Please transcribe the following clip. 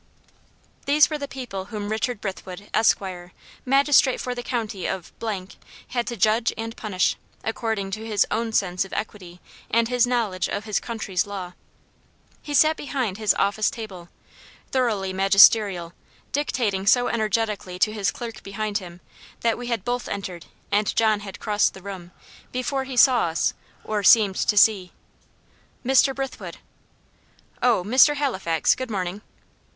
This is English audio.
These were the people whom Richard Brithwood, Esquire, magistrate for the county of , had to judge and punish, according to his own sense of equity and his knowledge of his country's law. He sat behind his office table, thoroughly magisterial, dictating so energetically to his clerk behind him, that we had both entered, and John had crossed the room, before he saw us, or seemed to see. "Mr. Brithwood." "Oh Mr. Halifax. Good morning."